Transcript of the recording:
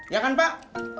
ya kan pak